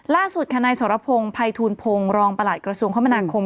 ทนายสรพงศ์ภัยทูลพงศ์รองประหลัดกระทรวงคมนาคม